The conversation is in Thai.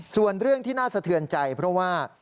ส่วนเรื่องที่น่าสะเทือนใจเพราะว่า